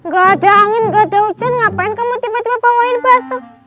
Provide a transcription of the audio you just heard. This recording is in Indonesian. gak ada angin gak ada hujan ngapain kamu tiba tiba bawain baso